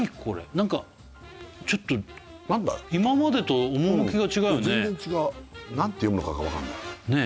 なんかちょっと今までと趣が違うよね全然違うなんて読むのかが分かんないねえ